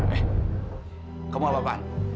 eh kamu apa pan